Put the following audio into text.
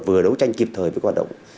vừa đấu tranh kịp thời với hoạt động